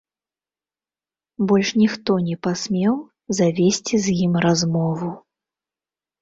Больш ніхто не пасмеў завесці з ім размову.